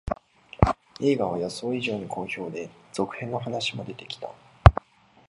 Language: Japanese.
映画は予想以上に好評で、続編の話も出てきた